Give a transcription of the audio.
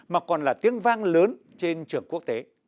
mà còn là tiếng vang lớn trên trường quốc tế